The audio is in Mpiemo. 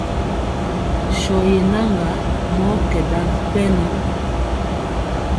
Sɔ yenaŋga mɔ kɛ ɗa wi pɛnɔ.